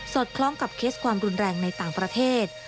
คล้องกับเคสความรุนแรงในต่างประเทศ